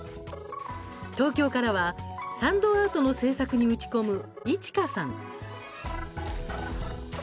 東京からはサンドアートの制作に打ち込む一華さん。